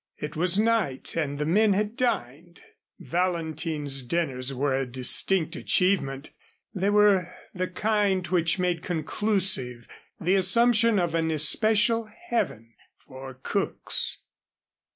It was night and the men had dined. Valentin's dinners were a distinct achievement. They were of the kind which made conclusive the assumption of an especial heaven for cooks.